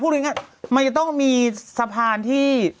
พูดอย่างนี้ไม่ต้องมีสะพานที่